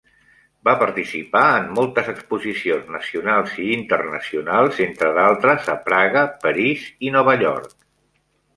Va participar en moltes exposicions nacionals i internacionals, entre d'altres, a Praga, París i Nova York.